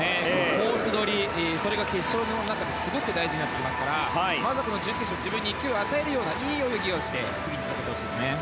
コース取りがそれが決勝の中ではすごく大事になりますからまずは準決勝自分に勢いを与えるようないい泳ぎをして次につなげてほしいですね。